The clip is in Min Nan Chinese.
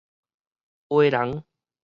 挨礱